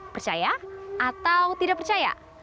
percaya atau tidak percaya